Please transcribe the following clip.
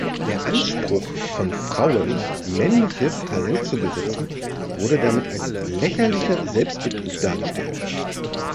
Der Anspruch von Frauen 'männliches' Talent zu besitzen wurde damit „als lächerlicher Selbstbetrug“ dargestellt.